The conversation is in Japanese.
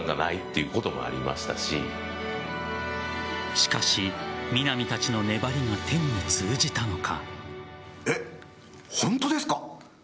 しかし、南たちの粘りが天に通じたのか。